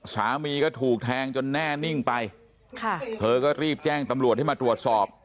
สามีก็ถูกแทงจนแน่นิ่งไปค่ะเธอก็รีบแจ้งตำรวจให้มาตรวจสอบ